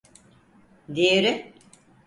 Diğeri?